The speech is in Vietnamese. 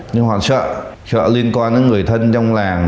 nhưng họ sợ liên quan đến người thân trong làng